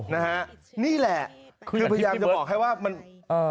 นะฮะนี่แหละคือพยายามจะบอกให้ว่ามันเอ่อ